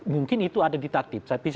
mungkin itu ada di taktib